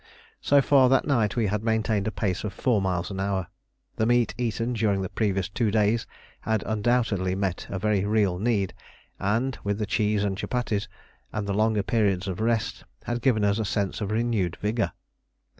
So far that night we had maintained a pace of four miles an hour. The meat eaten during the previous two days had undoubtedly met a very real need, and with the cheese and chupatties, and the longer periods for rest, had given us a sense of renewed vigour.